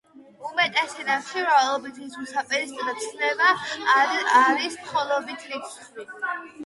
უმეტეს ენებში მრავლობითი რიცხვის საპირისპირო ცნება არის მხოლობითი რიცხვი.